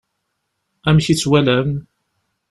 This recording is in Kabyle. Amek i tt-walan?